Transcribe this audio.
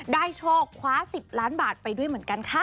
โชคคว้า๑๐ล้านบาทไปด้วยเหมือนกันค่ะ